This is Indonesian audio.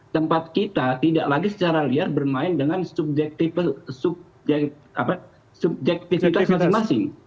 tempat kita tidak lagi secara liar bermain dengan subjektivitas masing masing